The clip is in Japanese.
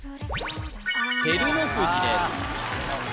照ノ富士ですああ